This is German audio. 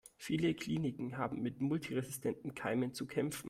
Viele Kliniken haben mit multiresistenten Keimen zu kämpfen.